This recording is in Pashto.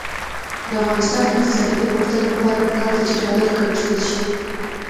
د افغانستان د اقتصادي پرمختګ لپاره پکار ده چې ډالر کنټرول شي.